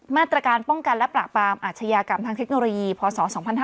มาตรการป้องกันและปราบปรามอาชญากรรมทางเทคโนโลยีพศ๒๕๕๙